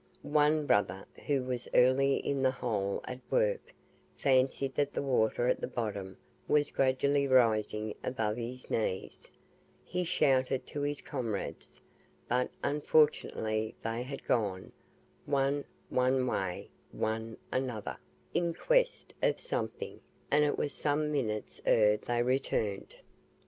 One brother, who was early in the hole at work, fancied that the water at the bottom was gradually rising above his knees; he shouted to his comrades, but unfortunately they had gone, one, one way, one, another, in quest of something, and it was some minutes ere they returned.